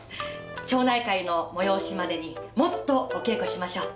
町内会の催しまでにもっとお稽古しましょう。